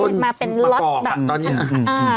ต้นประกอบคันตอนนี้